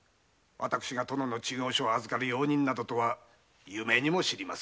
私が殿の知行所を預かる用人などとは夢にも知りませぬ。